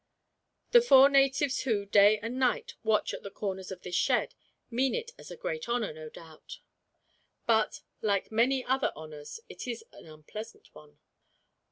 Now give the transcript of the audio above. The four natives who, night and day, watch at the corners of this shed, mean it as a great honor, no doubt; but, like many other honors, it is an unpleasant one.